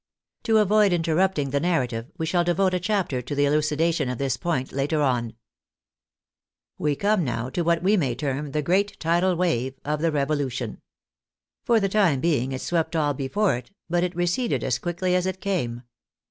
To avoid interrupting the narrative, we shall devote a chapter to the elucidation of this point later on. 41 42 THE FRENCH REVOLUTION We come now to what we may term the great tidal wave of the Revolution. For the time being it swept all before it, but it receded as quickly as it came.